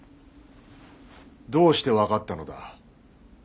どうして分かったのだ？